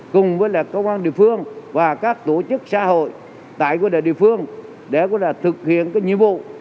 cùng với công an địa phương và các tổ chức xã hội tại địa phương để thực hiện nhiệm vụ